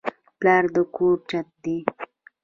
پلار د کور چت دی